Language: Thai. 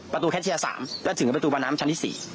ประตูแคทเชียร์สามและถึงประตูบาน้ำชั้นที่สี่